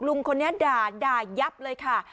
ลุงคนนี้ด่าด่ายับเลยค่ะ